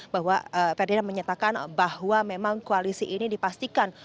bahwa ferdinand menyatakan bahwa memang koalisi ini dipastikan